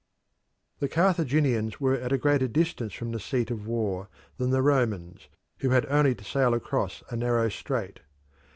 The Carthaginians were at a greater distance from the seat of war than the Romans, who had only to sail across a narrow strait.